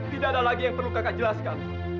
tidak ada lagi yang perlu kakak jelaskan